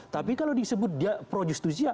tapi kalau disebut dia projustusia